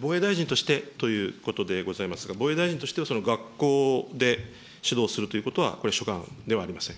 防衛大臣としてということでございますが、防衛大臣としては、その学校で指導するということは、これは所管ではありません。